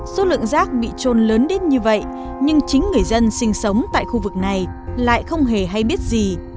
số lượng rác bị trôn lớn đến như vậy nhưng chính người dân sinh sống tại khu vực này lại không hề hay biết gì